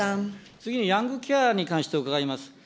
次にヤングケアラーに関して伺います。